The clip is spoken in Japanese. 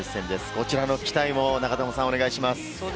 こちらの期待もお願いします。